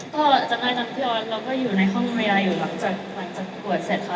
ก็จากนั้นพี่ออสเราก็อยู่ในห้องเวลาอยู่หลังจากกวดเสร็จค่ะ